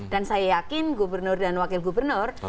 dan saya yakin gubernur dan wakil gubernur